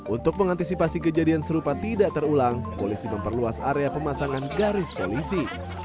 untuk mengantisipasi kejadian serupa tidak terulang polisi memperluas area pemasangan garis polisi